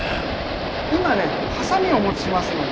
今ねハサミをお持ちしますので。